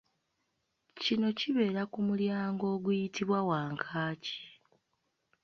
Kino kibeera ku mulyango oguyitibwa Wankaaki.